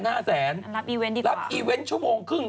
อันนั้นรับ้ิเว้นท์ดีกว่ารับ้ิเว้นท์ชั่วโมงครึ่ง